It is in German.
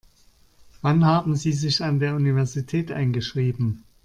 Wann haben Sie sich an der Universität eingeschrieben?